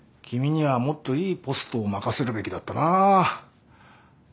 君にはもっといいポストを任せるべきだったなぁ。